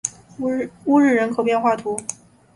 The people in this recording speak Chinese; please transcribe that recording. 乌日人口变化图示